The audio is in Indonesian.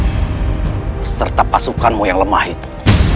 beserta pasukanmu yang lemah itu